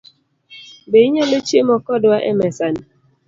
Be inyalo chiemo kodwa e mesani?